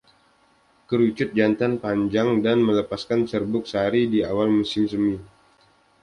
Kerucut jantan panjang, dan melepaskan serbuk sari di awal musim semi.